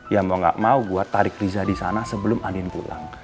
ya mau gak mau gue tarik risa disana sebelum andien pulang